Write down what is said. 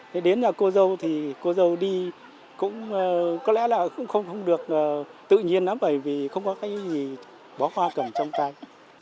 thế đến nhà cô dâu thì cô dâu đi cũng có lẽ là không được tự nhiên lắm bởi vì không có cái gì bó hoa cầm trong tay